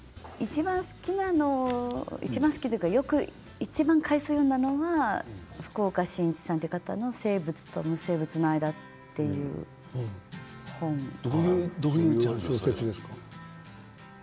いちばん好きというかいちばん回数を読んだのは福岡伸一さんという方の「生物と無生物の間」でという本です。